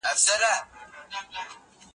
سالم ذهن کار نه خرابوي.